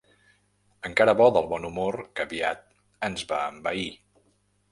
Encara bo del bon humor que aviat ens va envair.